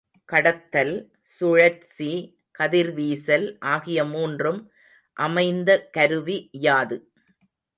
கடத்தல், சுழற்சி, கதிர்வீசல் ஆகிய மூன்றும் அமைந்த கருவி யாது?